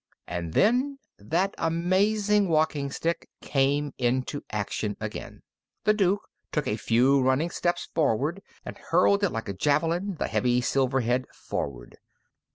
And then that amazing walking stick came into action again. The Duke took a few running steps forward and hurled it like a javelin, the heavy silver head forward.